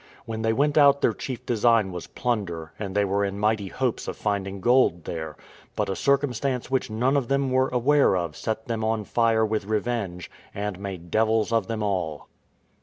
When they went out their chief design was plunder, and they were in mighty hopes of finding gold there; but a circumstance which none of them were aware of set them on fire with revenge, and made devils of them all.